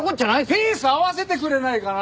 ペース合わせてくれないかな！？